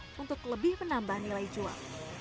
hal itu juga bisa diperhatikan di media sosial